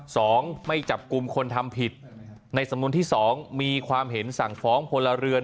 สองไม่จับกลุ่มคนทำผิดในสำนวนที่สองมีความเห็นสั่งฟ้องพลเรือน